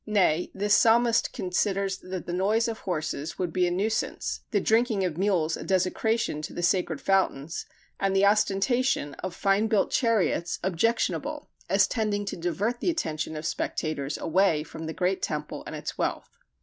Nay, this psalmist considers that the noise of horses would be "a nuisance", the drinking of mules a desecration to the sacred fountains, and the ostentation of fine built chariots objectionable, as tending to divert the attention of spectators away from the great temple and its wealth.